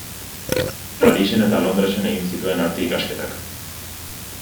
Parisen eta Londresen egin zituen Arte ikasketak.